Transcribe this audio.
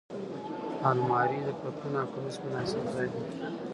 الماري د پتلون او کمیس مناسب ځای دی